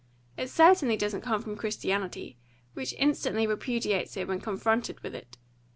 It certainly doesn't come from Christianity, which instantly repudiates it when confronted with it.